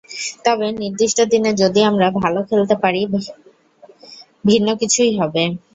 তবে নির্দিষ্ট দিনে যদি আমরা ভালো খেলতে পারি, ভিন্ন কিছুই হবে।